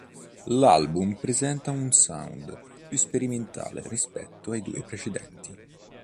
L'album presenta un sound più sperimentale rispetto ai due precedenti.